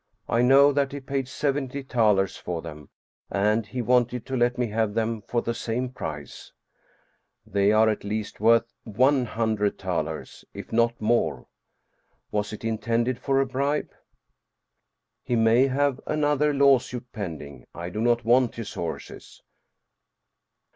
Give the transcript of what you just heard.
I know that he paid seventy thalers for them, and he wanted to let me have them for the same price. They are at the least worth one hundred thalers, if not more. Was it intended for a bribe ? He may have another lawsuit pending. I do not want his horses.